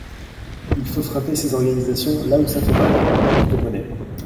Il faut frapper ces organisations là où ça fait mal, au porte-monnaie.